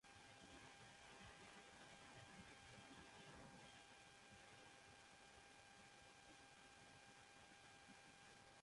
তিনি রেদ-ম্দা'-বা-গ্ঝোন-নু-ব্লো-গ্রোস নামক বিখ্যাত মধ্যমক শিক্ষক এবং ত্সোং-খা-পা-ব্লো-ব্জাং-গ্রাগ্স-পা নামক দ্গে-লুগ্স ধর্মসম্প্রদায়ের প্রতিষ্ঠাতার অন্যতম প্রধান শিষ্য ছিলেন।